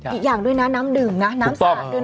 อีกอย่างด้วยนะน้ำดื่มนะน้ำสะอาดด้วย